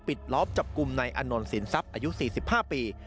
ล้อมจับกลุ่มนายอานนท์สินทรัพย์อายุ๔๕ปี